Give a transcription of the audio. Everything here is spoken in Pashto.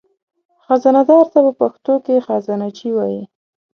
خزانهدار ته په پښتو کې خزانهچي وایي.